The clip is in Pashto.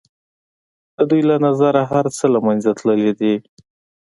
د دوی له نظره هر څه له منځه تللي دي.